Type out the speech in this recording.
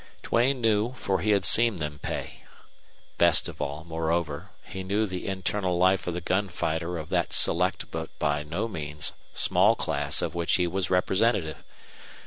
Duane knew, for he had seen them pay. Best of all, moreover, he knew the internal life of the gun fighter of that select but by no means small class of which he was representative.